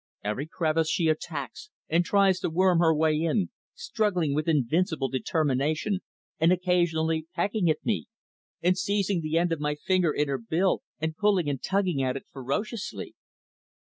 Every crevice she attacks, and tries to worm her way in, struggling with invincible determination and occasionally pecking at me, and seizing the end of my finger in her bill and pulling and tugging at it ferociously.